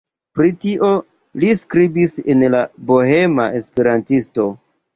Pri tio li skribis en "Bohema Esperantisto".